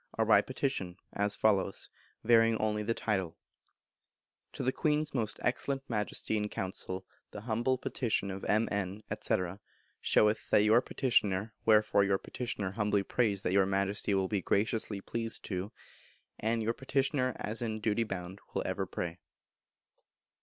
are by Petition, as follows, varying only the title: To the Queen's most Excellent Majesty in Council, The humble Petition of M.N., &c., showeth That your Petitioner.... Wherefore Your Petitioner humbly prays that Your Majesty will be graciously pleased to.... And Your Petitioner, as in duty bound, will ever pray.